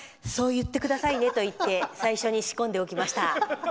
そういってくださいねと言って最初に仕込んでおきました。